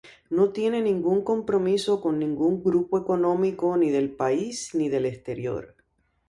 No tiene ningún compromiso con ningún grupo económico ni del país ni del exterior.